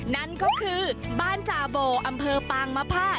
นั่นก็คือบ้านจาโบอำเภอปางมภา